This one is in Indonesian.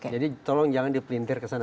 tolong jangan dipelintir ke sana